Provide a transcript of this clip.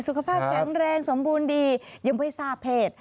สุขภาพแข็งแรงสมบูรณ์ดียังไม่ทราบเพศ